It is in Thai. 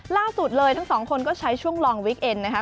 ล่าสุดเลยทั้งสองคนก็ใช้ช่วงลองวิกเอ็นนะคะ